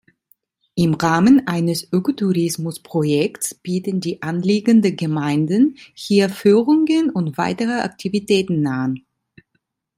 Im Rahmen eines Ökotourimus-Projekts bieten die anliegenden Gemeinden hier Führungen und weitere Aktivitäten an.